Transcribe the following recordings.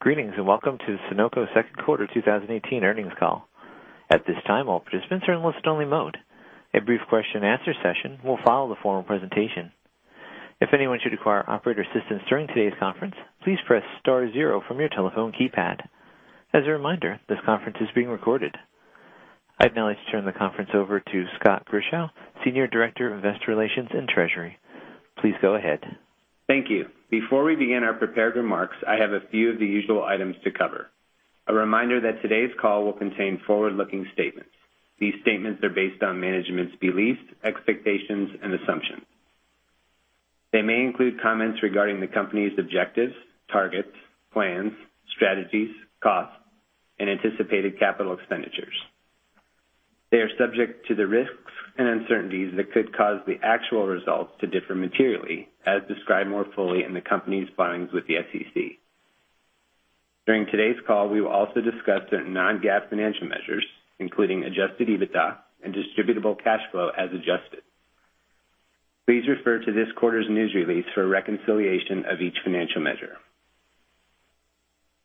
Greetings, and welcome to Sunoco second quarter 2018 earnings call. At this time, all participants are in listen only mode. A brief question and answer session will follow the formal presentation. If anyone should require operator assistance during today's conference, please press star zero from your telephone keypad. As a reminder, this conference is being recorded. I'd now like to turn the conference over to Scott Grischow, Senior Director of Investor Relations and Treasury. Please go ahead. Thank you. Before we begin our prepared remarks, I have a few of the usual items to cover. A reminder that today's call will contain forward-looking statements. These statements are based on management's beliefs, expectations, and assumptions. They may include comments regarding the company's objectives, targets, plans, strategies, costs, and anticipated capital expenditures. They are subject to the risks and uncertainties that could cause the actual results to differ materially, as described more fully in the company's filings with the SEC. During today's call, we will also discuss the non-GAAP financial measures, including Adjusted EBITDA and Distributable Cash Flow as adjusted. Please refer to this quarter's news release for a reconciliation of each financial measure.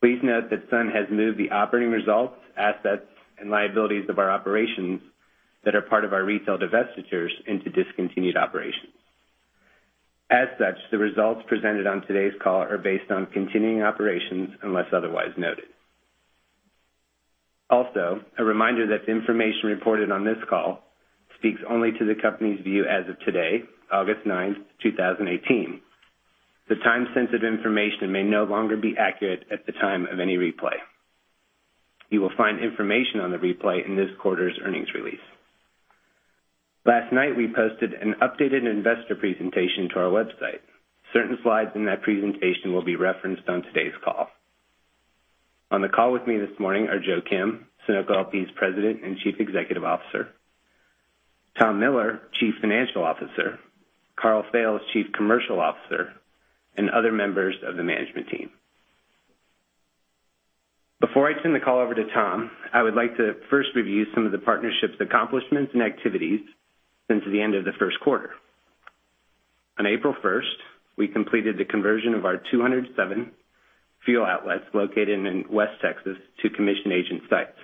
Please note that SUN has moved the operating results, assets, and liabilities of our operations that are part of our retail divestitures into discontinued operations. As such, the results presented on today's call are based on continuing operations unless otherwise noted. Also, a reminder that the information reported on this call speaks only to the company's view as of today, August ninth, 2018. The time sense of information may no longer be accurate at the time of any replay. You will find information on the replay in this quarter's earnings release. Last night, we posted an updated investor presentation to our website. Certain slides in that presentation will be referenced on today's call. On the call with me this morning are Joe Kim, Sunoco LP's President and Chief Executive Officer, Tom Miller, Chief Financial Officer, Karl Fails, Chief Commercial Officer, and other members of the management team. Before I turn the call over to Tom, I would like to first review some of the partnership's accomplishments and activities since the end of the first quarter. On April first, we completed the conversion of our 207 fuel outlets located in West Texas to commission agent sites.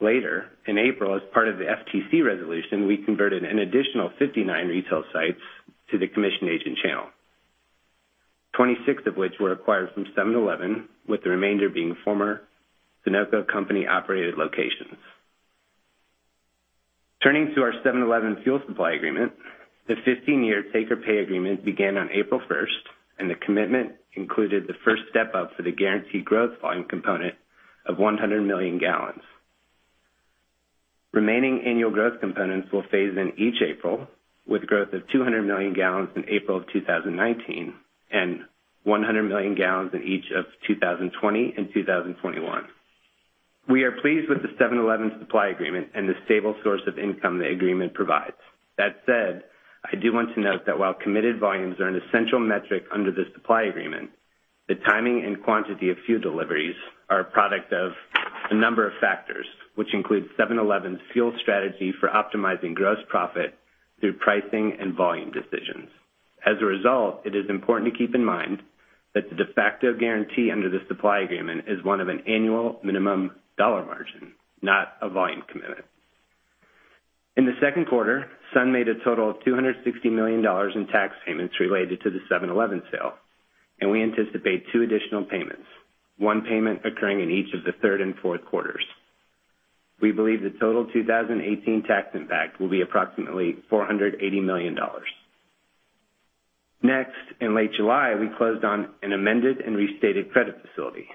Later in April, as part of the FTC resolution, we converted an additional 59 retail sites to the commission agent channel. 26 of which were acquired from 7-Eleven, with the remainder being former Sunoco company-operated locations. Turning to our 7-Eleven fuel supply agreement, the 15-year take-or-pay agreement began on April first, and the commitment included the first step-up for the guaranteed growth volume component of 100 million gallons. Remaining annual growth components will phase in each April, with growth of 200 million gallons in April of 2019 and 100 million gallons in each of 2020 and 2021. We are pleased with the 7-Eleven supply agreement and the stable source of income the agreement provides. That said, I do want to note that while committed volumes are an essential metric under the supply agreement, the timing and quantity of fuel deliveries are a product of a number of factors, which include 7-Eleven's fuel strategy for optimizing gross profit through pricing and volume decisions. As a result, it is important to keep in mind that the de facto guarantee under the supply agreement is one of an annual minimum dollar margin, not a volume commitment. in the second quarter, SUN made a total of $260 million in tax payments related to the 7-Eleven sale, and we anticipate two additional payments, one payment occurring in each of the third and fourth quarters. We believe the total 2018 tax impact will be approximately $480 million. Next, in late July, we closed on an amended and restated credit facility.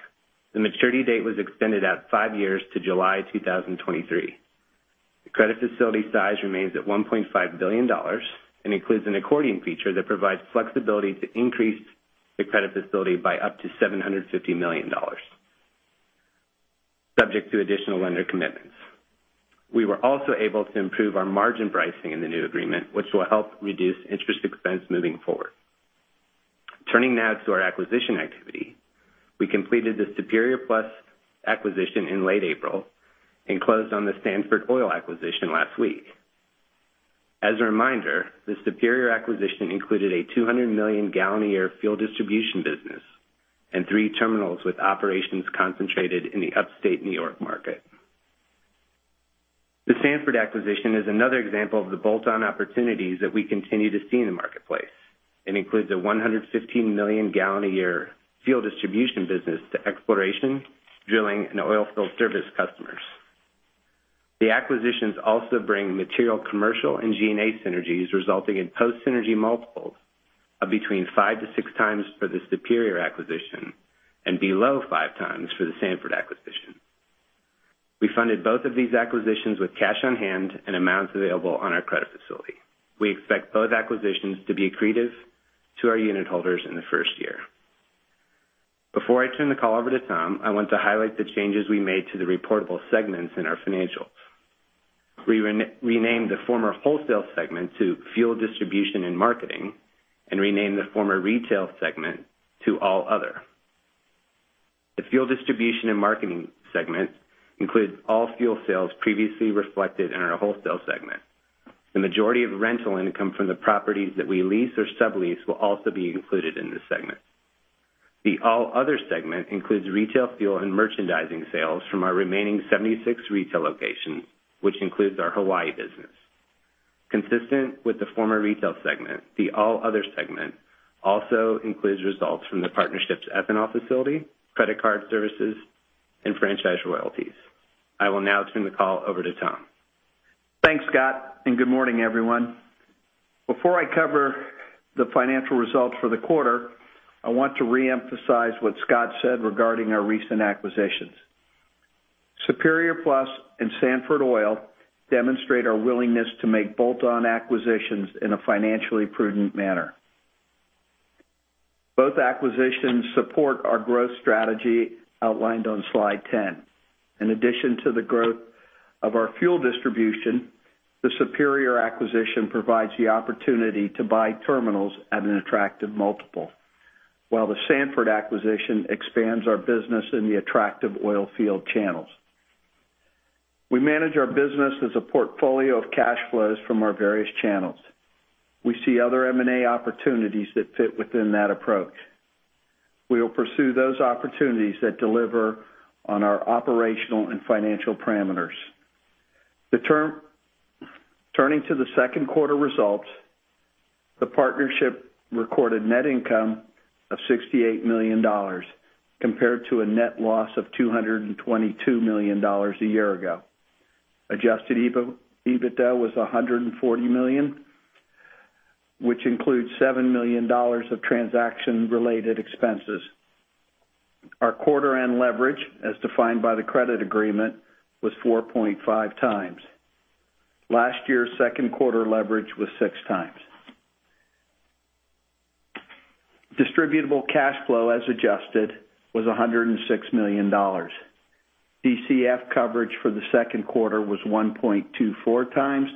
The maturity date was extended out five years to July 2023. The credit facility size remains at $1.5 billion and includes an accordion feature that provides flexibility to increase the credit facility by up to $750 million, subject to additional lender commitments. We were also able to improve our margin pricing in the new agreement, which will help reduce interest expense moving forward. Turning now to our acquisition activity. We completed the Superior Plus acquisition in late April and closed on the Sandford Oil acquisition last week. As a reminder, the Superior acquisition included a 200 million gallon a year fuel distribution business and three terminals with operations concentrated in the upstate New York market. The Sandford acquisition is another example of the bolt-on opportunities that we continue to see in the marketplace and includes a 115 million gallon a year fuel distribution business to exploration, drilling, and oil field service customers. The acquisitions also bring material commercial and G&A synergies, resulting in post-synergy multiples of between 5 to 6 times for the Superior acquisition and below 5 times for the Sandford acquisition. We funded both of these acquisitions with cash on hand and amounts available on our credit facility. We expect both acquisitions to be accretive to our unit holders in the first year. Before I turn the call over to Tom, I want to highlight the changes we made to the reportable segments in our financials. We renamed the former Wholesale segment to Fuel Distribution and Marketing and renamed the former Retail segment to All Other. The Fuel Distribution and Marketing segment includes all fuel sales previously reflected in our Wholesale segment. The majority of rental income from the properties that we lease or sublease will also be included in this segment. The All Other segment includes retail fuel and merchandising sales from our remaining 76 retail locations, which includes our Hawaii business. Consistent with the former Retail segment, the All Other segment also includes results from the partnership's ethanol facility, credit card services, and franchise royalties. I will now turn the call over to Tom. Thanks, Scott, and good morning, everyone. Before I cover the financial results for the quarter, I want to reemphasize what Scott said regarding our recent acquisitions. Superior Plus and Sandford Oil demonstrate our willingness to make bolt-on acquisitions in a financially prudent manner. Both acquisitions support our growth strategy outlined on slide 10. In addition to the growth of our fuel distribution, the Superior acquisition provides the opportunity to buy terminals at an attractive multiple, while the Sandford acquisition expands our business in the attractive oil field channels. We manage our business as a portfolio of cash flows from our various channels. We see other M&A opportunities that fit within that approach. We will pursue those opportunities that deliver on our operational and financial parameters. Turning to the second quarter results, the partnership recorded net income of $68 million compared to a net loss of $222 million a year ago. Adjusted EBITDA was $140 million, which includes $7 million of transaction-related expenses. Our quarter-end leverage, as defined by the credit agreement, was 4.5 times. Last year's second quarter leverage was six times. Distributable Cash Flow as adjusted was $106 million. DCF coverage for the second quarter was 1.24 times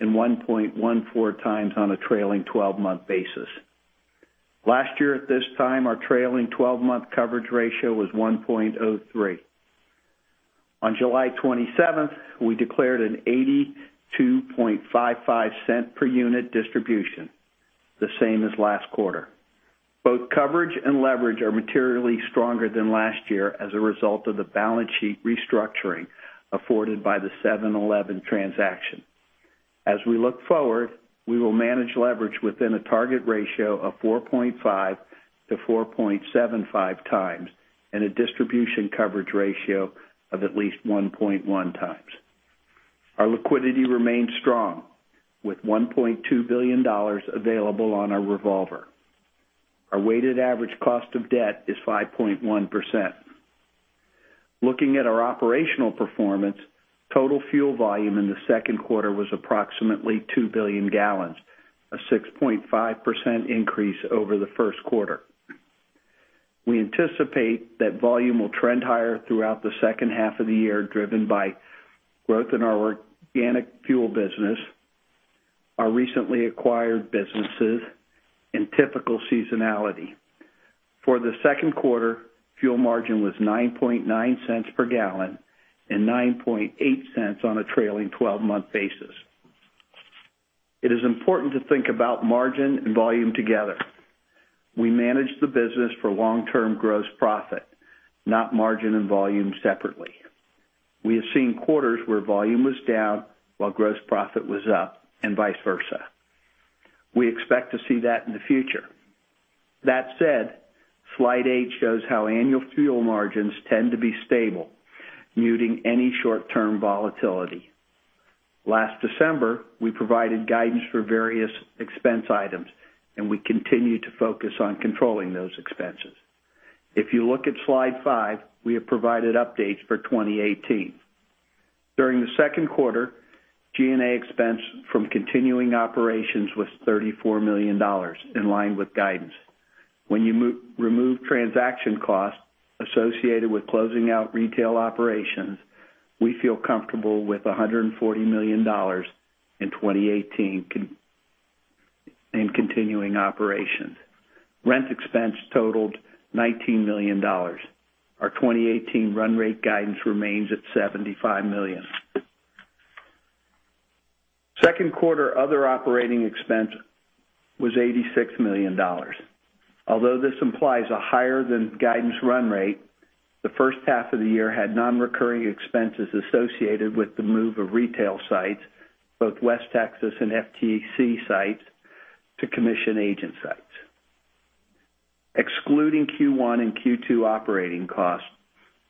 and 1.14 times on a trailing 12-month basis. Last year at this time, our trailing 12-month coverage ratio was 1.03. On July 27, we declared an $0.8255 per unit distribution, the same as last quarter. Both coverage and leverage are materially stronger than last year as a result of the balance sheet restructuring afforded by the 7-Eleven transaction. As we look forward, we will manage leverage within a target ratio of 4.5 to 4.75 times and a distribution coverage ratio of at least 1.1 times. Our liquidity remains strong with $1.2 billion available on our revolver. Our weighted average cost of debt is 5.1%. Looking at our operational performance, total fuel volume in the second quarter was approximately two billion gallons, a 6.5% increase over the first quarter. We anticipate that volume will trend higher throughout the second half of the year, driven by growth in our organic fuel business, our recently acquired businesses, and typical seasonality. For the second quarter, fuel margin was $0.099 per gallon and $0.098 on a trailing 12-month basis. It is important to think about margin and volume together. We manage the business for long-term gross profit, not margin and volume separately. We have seen quarters where volume was down while gross profit was up, and vice versa. We expect to see that in the future. That said, slide eight shows how annual fuel margins tend to be stable, muting any short-term volatility. Last December, we provided guidance for various expense items. We continue to focus on controlling those expenses. If you look at slide five, we have provided updates for 2018. During the second quarter, G&A expense from continuing operations was $34 million, in line with guidance. When you remove transaction costs associated with closing out retail operations, we feel comfortable with $140 million in 2018 in continuing operations. Rent expense totaled $19 million. Our 2018 run rate guidance remains at $75 million. Second quarter other operating expense was $86 million. Although this implies a higher than guidance run rate, the first half of the year had non-recurring expenses associated with the move of retail sites, both West Texas and FTC sites, to commission agent sites. Excluding Q1 and Q2 operating costs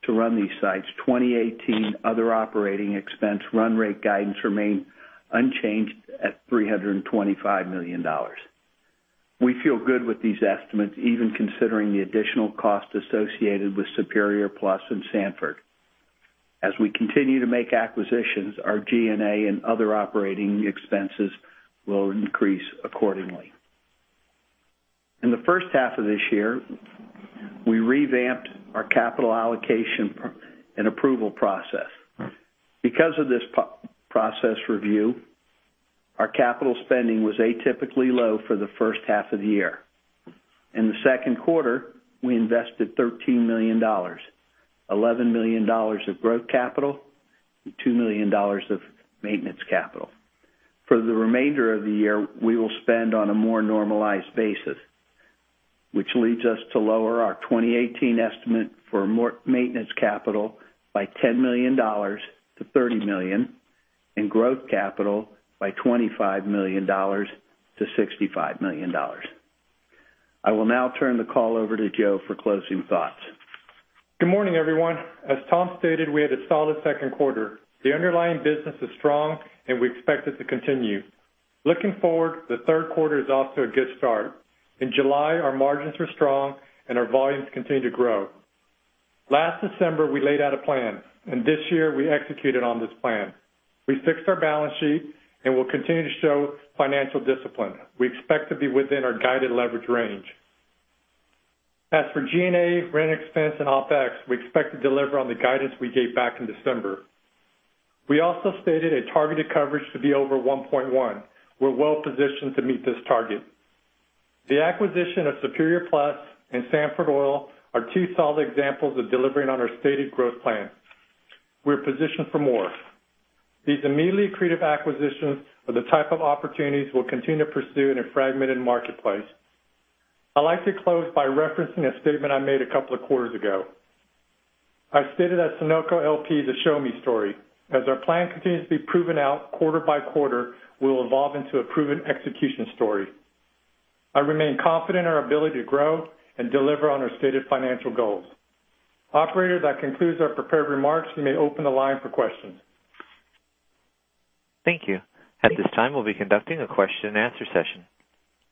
to run these sites, 2018 other operating expense run rate guidance remained unchanged at $325 million. We feel good with these estimates, even considering the additional cost associated with Superior Plus and Sandford Oil. As we continue to make acquisitions, our G&A and other operating expenses will increase accordingly. In the first half of this year, we revamped our capital allocation and approval process. Because of this process review, our capital spending was atypically low for the first half of the year. In the second quarter, we invested $13 million, $11 million of growth capital, and $2 million of maintenance capital. For the remainder of the year, we will spend on a more normalized basis, which leads us to lower our 2018 estimate for more maintenance capital by $10 million to $30 million and growth capital by $25 million to $65 million. I will now turn the call over to Joe for closing thoughts. Good morning, everyone. As Tom stated, we had a solid second quarter. The underlying business is strong, and we expect it to continue. Looking forward, the third quarter is off to a good start. In July, our margins were strong, and our volumes continue to grow. Last December, we laid out a plan, and this year we executed on this plan. We fixed our balance sheet and will continue to show financial discipline. We expect to be within our guided leverage range. As for G&A, rent expense, and OpEx, we expect to deliver on the guidance we gave back in December. We also stated a targeted coverage to be over 1.1. We're well-positioned to meet this target. The acquisition of Superior Plus and Sandford Oil are two solid examples of delivering on our stated growth plan. We're positioned for more. These immediately accretive acquisitions are the type of opportunities we'll continue to pursue in a fragmented marketplace. I'd like to close by referencing a statement I made a couple of quarters ago. I stated that Sunoco LP is a show-me story. As our plan continues to be proven out quarter by quarter, we'll evolve into a proven execution story. I remain confident in our ability to grow and deliver on our stated financial goals. Operator, that concludes our prepared remarks. You may open the line for questions. Thank you. At this time, we'll be conducting a question-and-answer session.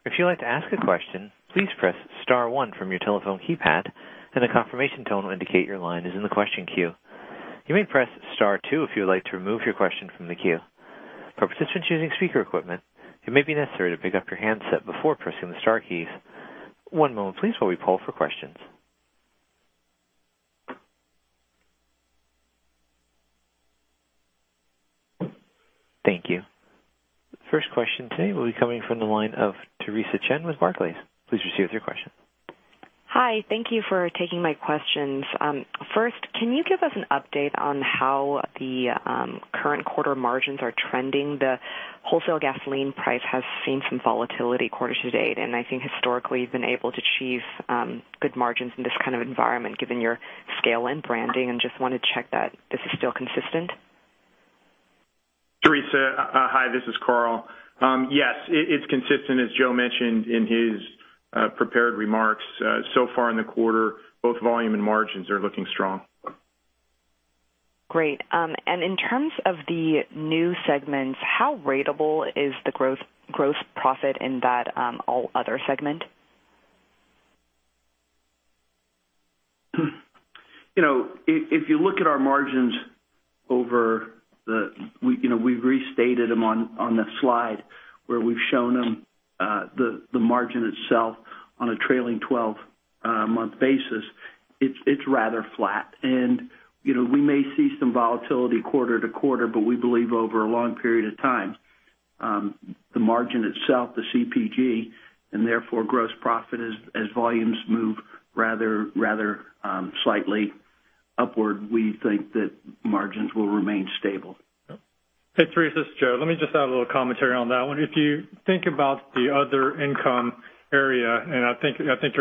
If you'd like to ask a question, please press *1 from your telephone keypad, and a confirmation tone will indicate your line is in the question queue. You may press *2 if you would like to remove your question from the queue. For participants using speaker equipment, it may be necessary to pick up your handset before pressing the star keys. One moment please while we poll for questions. Thank you. First question today will be coming from the line of Theresa Chen with Barclays. Please proceed with your question. Hi. Thank you for taking my questions. First, can you give us an update on how the current quarter margins are trending? The wholesale gasoline price has seen some volatility quarter to date, I think historically, you've been able to achieve good margins in this kind of environment, given your scale and branding, just want to check that this is still consistent. Theresa. Hi, this is Karl. Yes, it's consistent, as Joe mentioned in his prepared remarks. Far in the quarter, both volume and margins are looking strong. Great. In terms of the new segments, how ratable is the gross profit in that all other segment? If you look at our margins. We restated them on the slide where we've shown them, the margin itself on a trailing 12-month basis, it's rather flat. We may see some volatility quarter to quarter, we believe over a long period of time, the margin itself, the CPG, and therefore gross profit as volumes move rather slightly upward, we think that margins will remain stable. Hey, Theresa. It's Joe. Let me just add a little commentary on that one. I think you're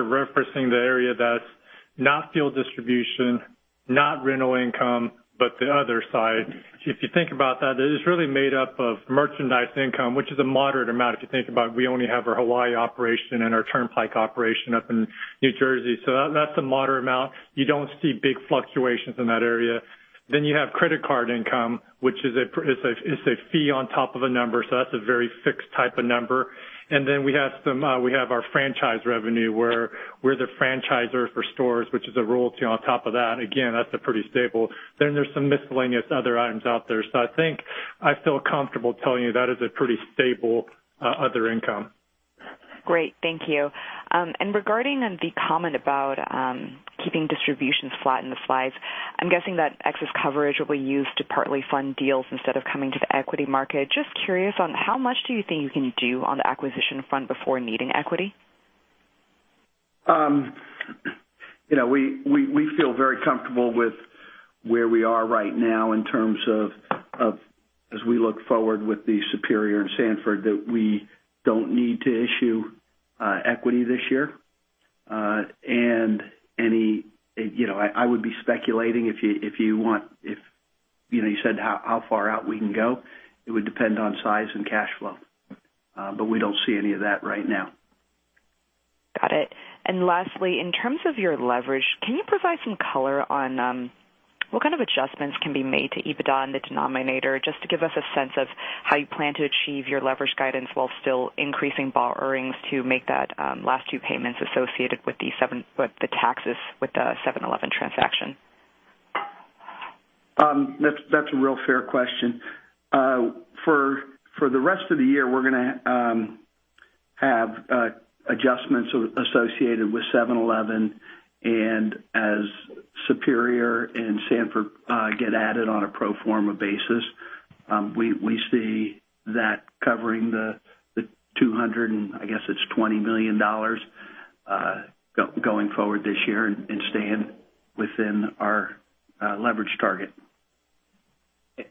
referencing the area that's not fuel distribution, not rental income, but the other side. It is really made up of merchandise income, which is a moderate amount if you think about it. We only have our Hawaii operation and our Turnpike operation up in New Jersey. That's a moderate amount. You don't see big fluctuations in that area. You have credit card income, which is a fee on top of a number. That's a very fixed type of number. We have our franchise revenue where we're the franchisor for stores, which is a royalty on top of that. Again, that's pretty stable. There's some miscellaneous other items out there. I think I feel comfortable telling you that is a pretty stable other income. Great. Thank you. Regarding the comment about keeping distributions flat in the slides, I'm guessing that excess coverage will be used to partly fund deals instead of coming to the equity market. Just curious on how much do you think you can do on the acquisition front before needing equity? We feel very comfortable with where we are right now in terms of as we look forward with the Superior and Sandford, that we don't need to issue equity this year. I would be speculating if you said how far out we can go. It would depend on size and cash flow. We don't see any of that right now. Got it. Lastly, in terms of your leverage, can you provide some color on what kind of adjustments can be made to EBITDA in the denominator, just to give us a sense of how you plan to achieve your leverage guidance while still increasing borrowings to make that last two payments associated with the taxes with the 7-Eleven transaction? That's a real fair question. For the rest of the year, we're going to have adjustments associated with 7-Eleven and as Superior and Sandford get added on a pro forma basis. We see that covering the $200 and I guess it's $20 million, going forward this year and staying within our leverage target.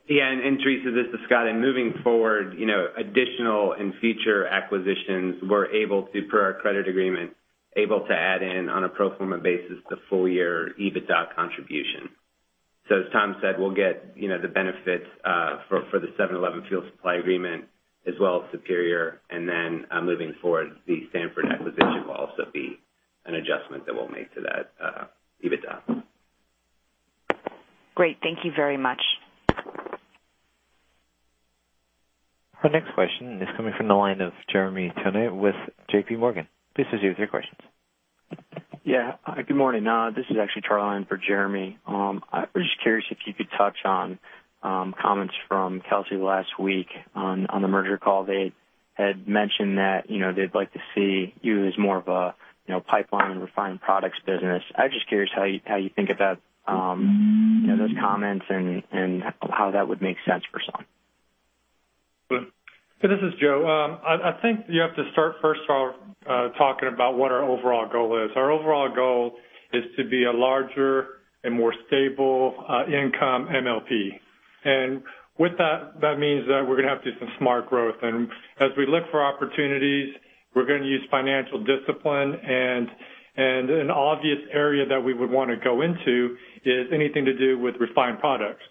Yeah, Theresa, this is Scott. Moving forward, additional and future acquisitions we're able to, per our credit agreement, able to add in on a pro forma basis, the full year EBITDA contribution. As Tom said, we'll get the benefits for the 7-Eleven fuel supply agreement as well as Superior, then, moving forward, the Sandford acquisition will also be an adjustment that we'll make to that EBITDA. Great. Thank you very much. Our next question is coming from the line of Jeremy Tonet with JPMorgan. Please proceed with your questions. Good morning. This is actually Charlie in for Jeremy. I was just curious if you could touch on comments from Kelcy last week on the merger call. They had mentioned that they'd like to see you as more of a pipeline and refined products business. I was just curious how you think about those comments and how that would make sense for Sun? This is Joe. I think you have to start first of all, talking about what our overall goal is. Our overall goal is to be a larger and more stable income MLP. With that means that we're going to have to do some smart growth. As we look for opportunities, we're going to use financial discipline, and an obvious area that we would want to go into is anything to do with refined products.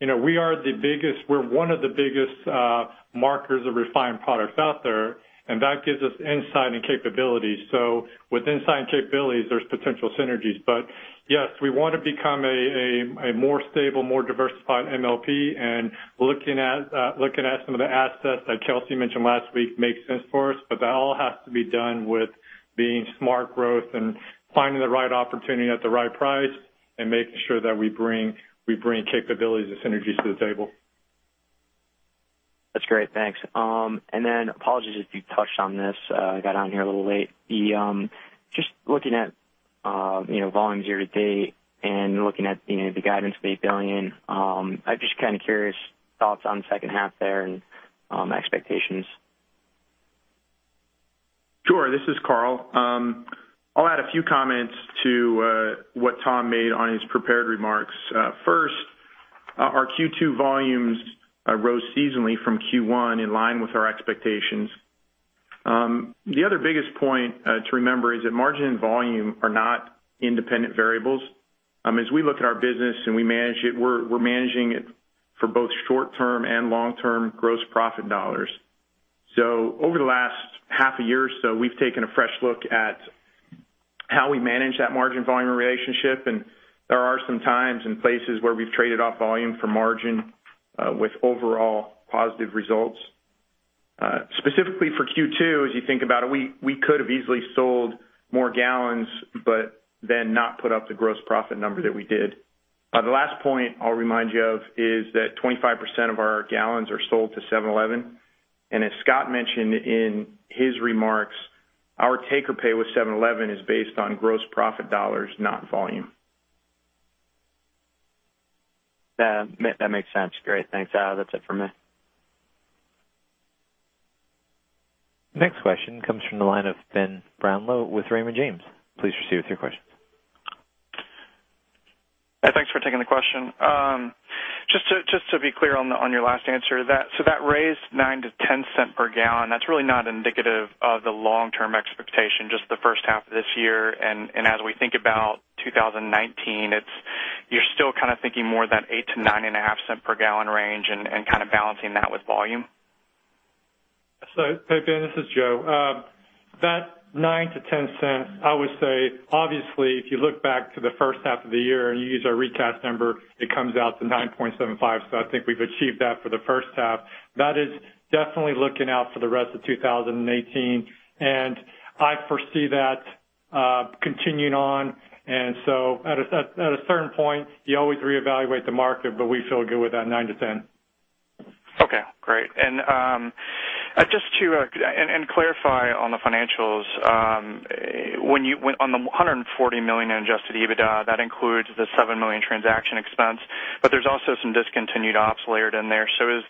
We're one of the biggest markers of refined products out there, and that gives us insight and capabilities. With insight and capabilities, there's potential synergies. Yes, we want to become a more stable, more diversified MLP, and looking at some of the assets that Kelcy mentioned last week makes sense for us. That all has to be done with being smart growth and finding the right opportunity at the right price and making sure that we bring capabilities and synergies to the table. That's great. Thanks. Apologies if you touched on this. I got on here a little late. Just looking at volumes year to date and looking at the guidance of $8 billion, I'm just kind of curious, thoughts on the second half there and expectations. Sure. This is Karl. I'll add a few comments to what Tom made on his prepared remarks. First, our Q2 volumes rose seasonally from Q1 in line with our expectations. The other biggest point to remember is that margin and volume are not independent variables. As we look at our business and we manage it, we're managing it for both short-term and long-term gross profit dollars. Over the last half a year or so, we've taken a fresh look at how we manage that margin volume relationship, and there are some times and places where we've traded off volume for margin, with overall positive results. Specifically for Q2, as you think about it, we could have easily sold more gallons, but then not put up the gross profit number that we did. The last point I'll remind you of is that 25% of our gallons are sold to 7-Eleven, and as Scott mentioned in his remarks, our take-or-pay with 7-Eleven is based on gross profit dollars, not volume. Yeah. That makes sense. Great. Thanks. That's it for me. Next question comes from the line of Ben Brownlow with Raymond James. Please proceed with your questions. Thanks for taking the question. Just to be clear on your last answer, that raise $0.09 to $0.10 per gallon, that's really not indicative of the long-term expectation, just the first half of this year. As we think about 2019, you're still kind of thinking more that $0.08 to $0.095 per gallon range and kind of balancing that with volume? Ben, this is Joe. That $0.09 to $0.10, I would say obviously, if you look back to the first half of the year and you use our recast number, it comes out to $0.0975. I think we've achieved that for the first half. That is definitely looking out for the rest of 2018, and I foresee that continuing on. At a certain point, you always reevaluate the market, we feel good with that $0.09 to $0.10. Clarify on the financials, on the $140 million in Adjusted EBITDA, that includes the $7 million transaction expense, but there's also some discontinued ops layered in there. Is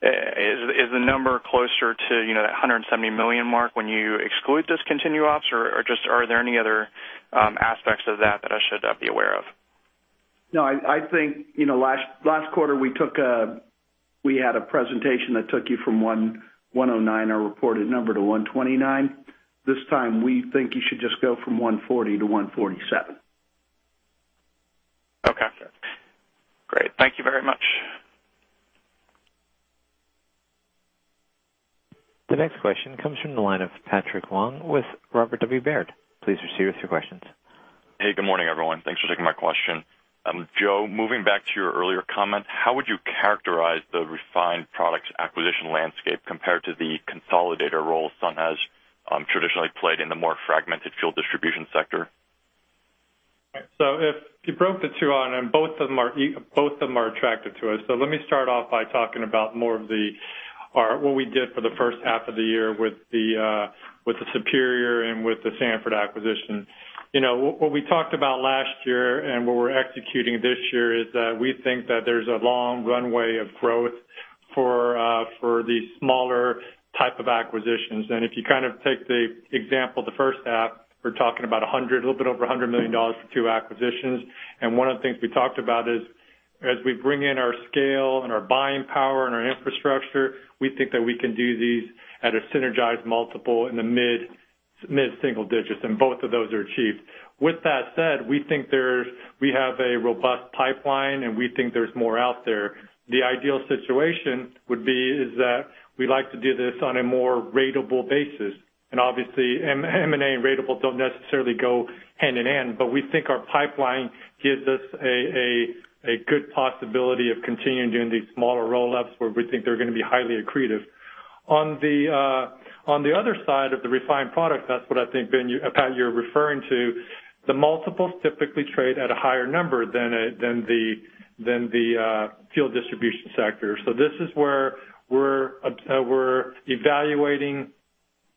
the number closer to that $170 million mark when you exclude discontinued ops, or are there any other aspects of that I should be aware of? No, I think last quarter, we had a presentation that took you from $109, our reported number, to $129. This time, we think you should just go from $140 to $147. Okay, great. Thank you very much. The next question comes from the line of Patrick Wang with Robert W. Baird. Please proceed with your questions. Hey, good morning, everyone. Thanks for taking my question. Joe, moving back to your earlier comment, how would you characterize the refined products acquisition landscape compared to the consolidator role Sun has traditionally played in the more fragmented fuel distribution sector? If you broke the two on, both of them are attractive to us. Let me start off by talking about more of what we did for the first half of the year with the Superior and with the Sandford acquisition. What we talked about last year and what we're executing this year is that we think that there's a long runway of growth for these smaller type of acquisitions. If you take the example of the first half, we're talking about a little bit over $100 million for two acquisitions. One of the things we talked about is, as we bring in our scale and our buying power and our infrastructure, we think that we can do these at a synergized multiple in the mid-single digits, and both of those are achieved. With that said, we think we have a robust pipeline, and we think there's more out there. The ideal situation would be is that we like to do this on a more ratable basis, and obviously, M&A and ratable don't necessarily go hand-in-hand, but we think our pipeline gives us a good possibility of continuing doing these smaller roll-ups where we think they're going to be highly accretive. On the other side of the refined product, that's what I think, Pat, you're referring to, the multiples typically trade at a higher number than the fuel distribution sector. This is where we're evaluating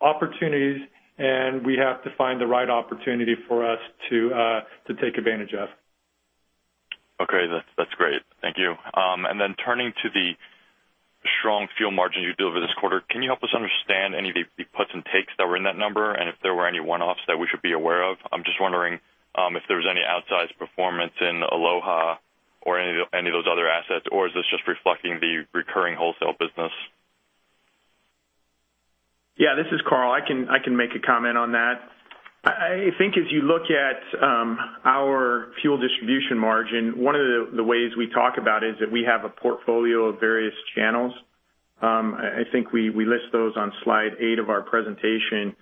opportunities, and we have to find the right opportunity for us to take advantage of. Okay. That's great. Thank you. Then turning to the strong fuel margin you built over this quarter, can you help us understand any of the puts and takes that were in that number and if there were any one-offs that we should be aware of? I'm just wondering if there was any outsized performance in Aloha or any of those other assets, or is this just reflecting the recurring wholesale business? This is Karl. I can make a comment on that. I think if you look at our fuel distribution margin, one of the ways we talk about is that we have a portfolio of various channels. I think we list those on slide eight of our presentation.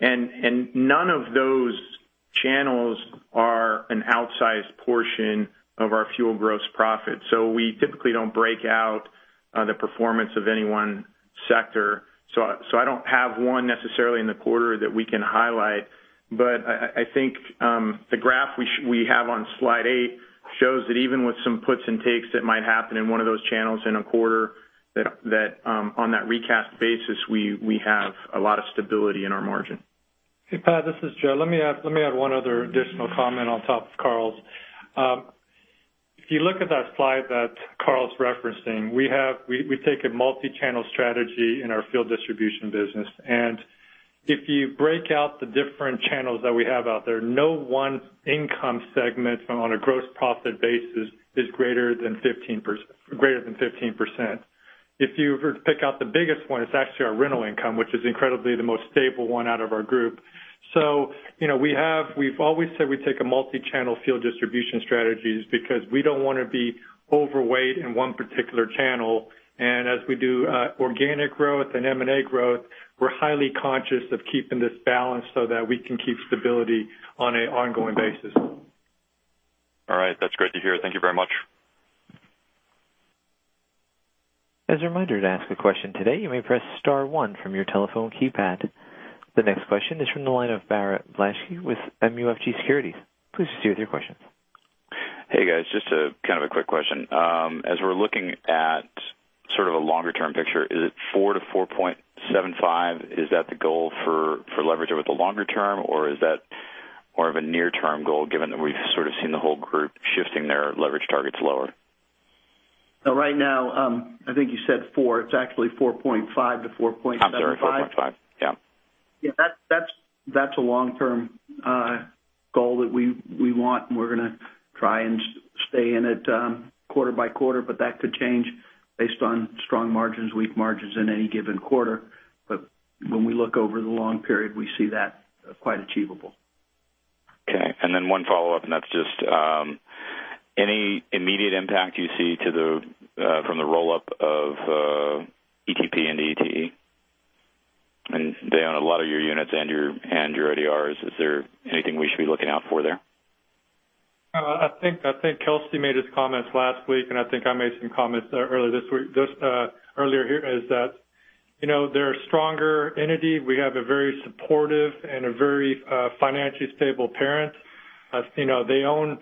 None of those channels are an outsized portion of our fuel gross profit. We typically don't break out the performance of any one sector. I don't have one necessarily in the quarter that we can highlight, but I think the graph we have on slide eight shows that even with some puts and takes that might happen in one of those channels in a quarter, that on that recast basis, we have a lot of stability in our margin. Hey, Pat, this is Joe. Let me add one other additional comment on top of Karl's. If you look at that slide that Karl's referencing, we take a multi-channel strategy in our fuel distribution business. If you break out the different channels that we have out there, no one income segment on a gross profit basis is greater than 15%. If you were to pick out the biggest one, it's actually our rental income, which is incredibly the most stable one out of our group. We've always said we take a multi-channel fuel distribution strategies because we don't want to be overweight in one particular channel. As we do organic growth and M&A growth, we're highly conscious of keeping this balanced so that we can keep stability on an ongoing basis. All right. That's great to hear. Thank you very much. As a reminder, to ask a question today, you may press star one from your telephone keypad. The next question is from the line of Barrett Blaschke with MUFG Securities. Please proceed with your question. Hey, guys. Just a quick question. As we're looking at sort of a longer-term picture, is it 4-4.75? Is that the goal for leverage over the longer term, or is that more of a near-term goal, given that we've sort of seen the whole group shifting their leverage targets lower? Right now, I think you said 4. It's actually 4.5-4.75. I'm sorry, 4.5. Yeah. Yeah, that's a long-term goal that we want, and we're going to try and stay in it quarter by quarter, but that could change based on strong margins, weak margins in any given quarter. When we look over the long period, we see that quite achievable. Okay. One follow-up, and that's just any immediate impact you see from the roll-up of ETP and ETE? They own a lot of your units and your IDRs. Is there anything we should be looking out for there? I think Kelcy Warren made his comments last week, and I think I made some comments earlier here, is that they're a stronger entity. We have a very supportive and a very financially stable parent. They own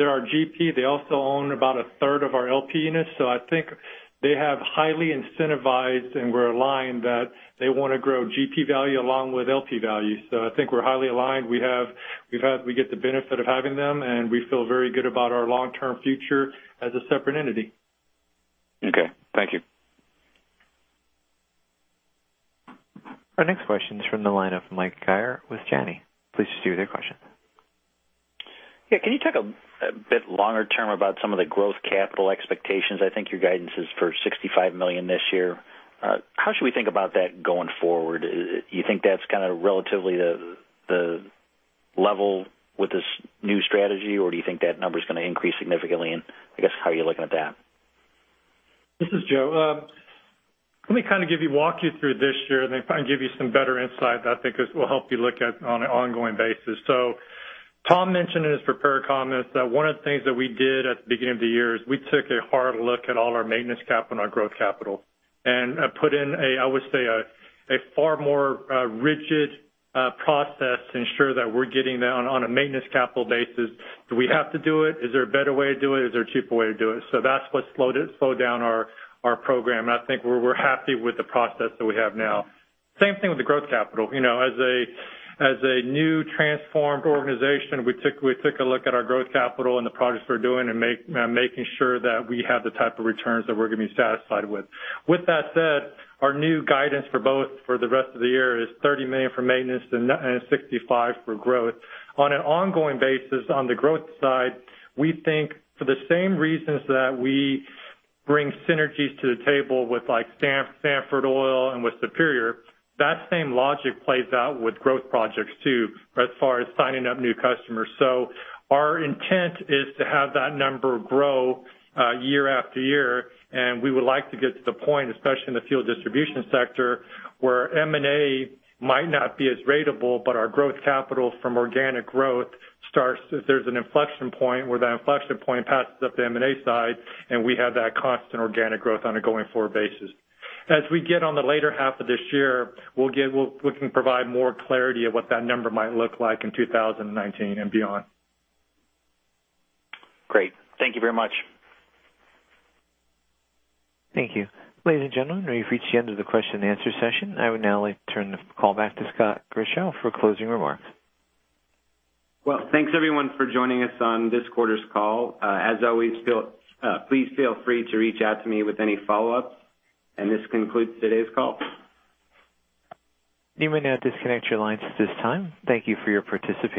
our GP. They also own about a third of our LP units. I think they have highly incentivized, and we're aligned that they want to grow GP value along with LP value. I think we're highly aligned. We get the benefit of having them, and we feel very good about our long-term future as a separate entity. Okay. Thank you. Our next question is from the line of Jay Guyer with Janney. Please proceed with your question. Yeah, can you talk a bit longer term about some of the growth capital expectations? I think your guidance is for $65 million this year. How should we think about that going forward? You think that's kind of relatively the level with this new strategy, or do you think that number is going to increase significantly, and I guess, how are you looking at that? This is Joe. Let me kind of walk you through this year and then try and give you some better insight that I think will help you look at on an ongoing basis. Tom mentioned in his prepared comments that one of the things that we did at the beginning of the year is we took a hard look at all our maintenance capital and our growth capital, and put in, I would say, a far more rigid process to ensure that we're getting down on a maintenance capital basis. Do we have to do it? Is there a better way to do it? Is there a cheaper way to do it? That's what slowed down our program, and I think we're happy with the process that we have now. Same thing with the growth capital. As a new transformed organization, we took a look at our growth capital and the projects we're doing and making sure that we have the type of returns that we're going to be satisfied with. With that said, our new guidance for both for the rest of the year is $30 million for maintenance and $65 for growth. On an ongoing basis, on the growth side, we think for the same reasons that we bring synergies to the table with Sandford Oil and with Superior, that same logic plays out with growth projects too, as far as signing up new customers. Our intent is to have that number grow year after year, and we would like to get to the point, especially in the fuel distribution sector, where M&A might not be as ratable, but our growth capital from organic growth There's an inflection point where that inflection point passes up the M&A side, and we have that constant organic growth on a going-forward basis. As we get on the later half of this year, we can provide more clarity of what that number might look like in 2019 and beyond. Great. Thank you very much. Thank you. Ladies and gentlemen, we've reached the end of the question and answer session. I would now like to turn the call back to Scott Grischow for closing remarks. Well, thanks everyone for joining us on this quarter's call. As always, please feel free to reach out to me with any follow-ups. This concludes today's call. You may now disconnect your lines at this time. Thank you for your participation.